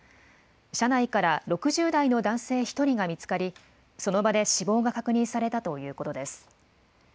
車内から６０代の男性１人が見つかり、その場で死亡が確認されたということです。